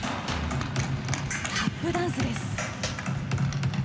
タップダンスです。